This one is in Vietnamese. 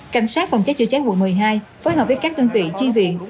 cảnh sát phòng cháy chữa cháy quận một mươi hai phối hợp với các đơn vị chi viện